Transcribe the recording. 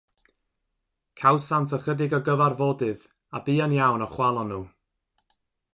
Cawsant ychydig o gyfarfodydd a buan iawn y chwalon nhw.